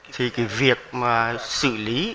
thì việc xử lý